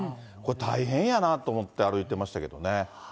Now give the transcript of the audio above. これ大変やなと思って歩いてましたけどね。